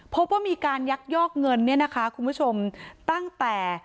พบว่ามีการยักยอกเงินเนี่ยนะคะคุณผู้ชมตั้งแต่